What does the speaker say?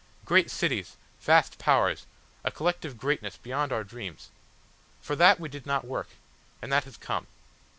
"Great cities, vast powers, a collective greatness beyond our dreams. For that we did not work, and that has come.